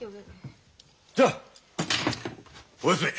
じゃあお休み。